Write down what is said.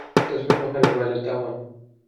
Das wird noch eine Weile dauern.